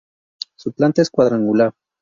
Su planta es cuadrangular.